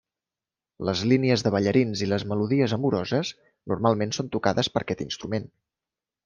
Les línies de ballarins i les melodies amoroses, normalment són tocades per aquest instrument.